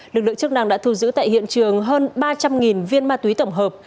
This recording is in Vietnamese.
lực lượng chức năng đã thu giữ tại hiện trường hơn ba trăm linh viên ma túy tổng hợp